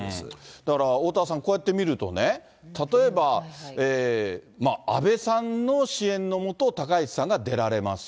だからおおたわさん、こうやって見るとね、例えば安倍さんの支援のもと、高市さんが出られます。